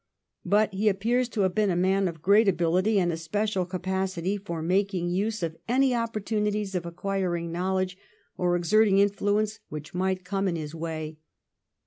But he appears to have been a man of great ability and a special capacity for making use of 144 THE REIGN OF QUEEN ANNE. ch. xxvn. any opportunities of acquiring knowledge or exerting influence which might come in his way.